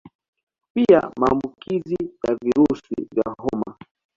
Pia Maambukizi ya virusi vya homa